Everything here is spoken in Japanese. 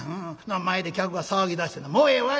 「前で客が騒ぎだしてな『もうええわい。